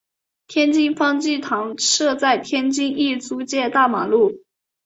天津方济堂设在天津意租界大马路。